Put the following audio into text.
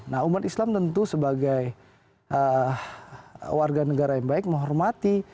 nah umat islam tentu sebagai warga negara yang baik menghormati